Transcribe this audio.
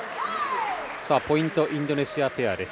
ポイントインドネシアペアです。